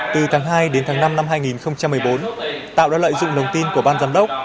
từ tháng hai đến tháng năm năm hai nghìn một mươi bốn tạo đã lợi dụng lòng tin của ban giám đốc